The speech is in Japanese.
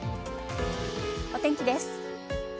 お天気です。